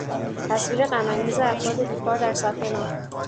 تصویر غمانگیز افراد بیکار در صف نان